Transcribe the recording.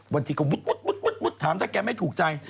บางทีก็มุดถามถ้าแกไม่ถูกใจ